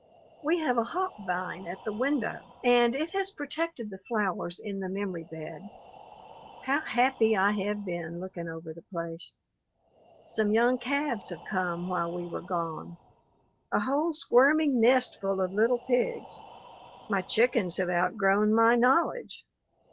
We have a hop vine at the window and it has protected the flowers in the memory bed. How happy I have been, looking over the place! Some young calves have come while we were gone; a whole squirming nest full of little pigs. My chickens have outgrown my knowledge.